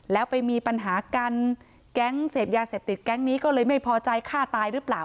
แล้วไปมีปัญหากันแก๊งเสพยาเสพติดแก๊งนี้ก็เลยไม่พอใจฆ่าตายหรือเปล่า